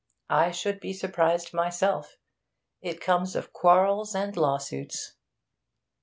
I should be surprised myself. It comes of quarrels and lawsuits.'